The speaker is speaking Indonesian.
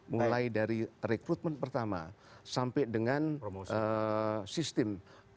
mulai dari rekrutmen pertama sampai dengan sistem